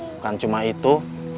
bukan cuma itu